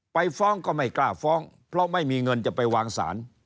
ไปฟ้องก็ไม่กล้าฟ้องเพราะไม่มีเงินจะไปวางสาร